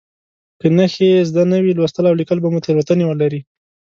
که نښې زده نه وي لوستل او لیکل به مو تېروتنې ولري.